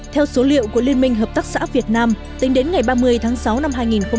theo số liệu của liên minh hợp tác xã việt nam tính đến ngày ba mươi tháng sáu năm hai nghìn một mươi chín